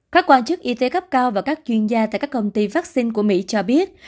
các quan chức y tế gấp cao và các chuyên gia tại các công ty vaccine của mỹ cho biết